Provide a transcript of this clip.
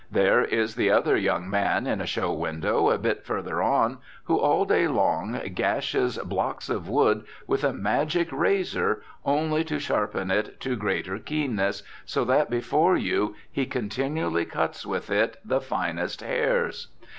There is the other young man in a show window a bit further on who all day long gashes blocks of wood with a magic razor, only to sharpen it to greater keenness, so that before you he continually cuts with it the finest hairs.